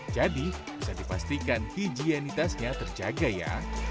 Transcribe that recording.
jadi bisa dipastikan higienitasnya terjaga ya